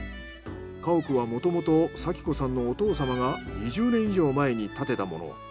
家屋はもともと早紀子さんのお父様が２０年以上前に建てたもの。